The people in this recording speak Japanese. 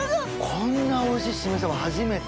こんなおいしい締めさば初めて。